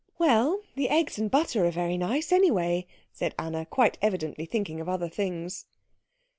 "Well, the eggs and butter are very nice, anyway," said Anna, quite evidently thinking of other things.